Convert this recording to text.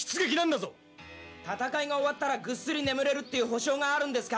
戦いが終わったらぐっすり眠れるっていう保証があるんですか！